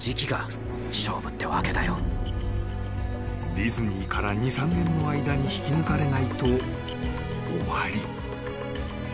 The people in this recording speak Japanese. ［ディズニーから２３年の間に引き抜かれないと終わり］